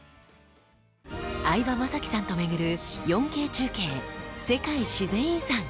相葉雅紀さんと巡る４Ｋ中継、「世界自然遺産」。